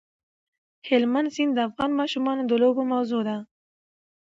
هلمند سیند د افغان ماشومانو د لوبو موضوع ده.